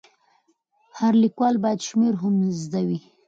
هر لیکوال باید شمېرل هم زده وای.